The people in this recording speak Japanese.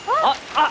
あっ！